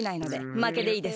まけでいいです。